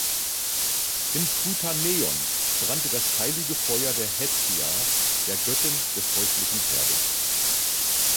Im Prytaneion brannte das heilige Feuer der Hestia, der Göttin des häuslichen Herdes.